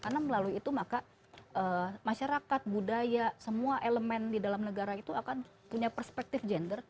karena melalui itu maka masyarakat budaya semua elemen di dalam negara itu akan punya perspektif gender